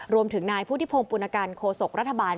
รวมถึงนายพุทธิพงศ์ปุณกันโคศกรัฐบาล